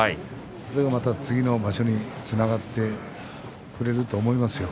それがまた次の場所につながってくれると思いますよ。